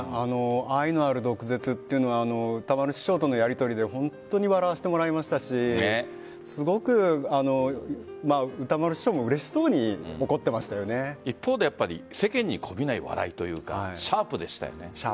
愛のある毒舌というのは歌丸師匠とのやりとりで本当に笑わせてもらいましたしすごく歌丸師匠もうれしそうに一方で世間に媚びない笑いというかシャープでしたよね。